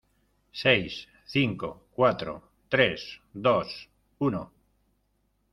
Seis, cinco , cuatro , tres , dos , uno